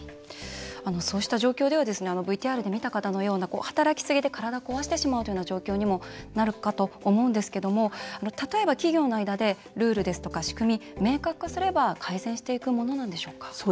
そうした状況ではＶＴＲで見た方のような働きすぎで体壊してしまうというような状況にもなるかと思うんですけども例えば、企業の間でルールですとか、仕組み明確化すれば、改善していくものなんでしょうか？